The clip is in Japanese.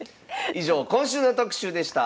以上今週の特集でした。